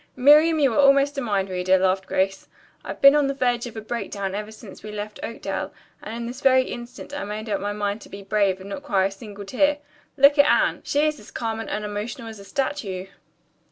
"Miriam, you are almost a mind reader," laughed Grace. "I've been on the verge of a breakdown ever since we left Oakdale, and in this very instant I made up my mind to be brave and not cry a single tear. Look at Anne. She is as calm and unemotional as a statue."